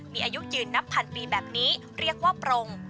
มีอายุยืนนับพันปีแบบนี้เรียกว่าปรง